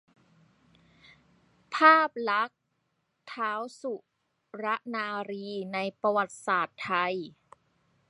ภาพลักษณท้าวสุรนารีในประวัติศาสตร์ไทย